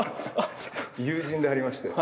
友人でありまして。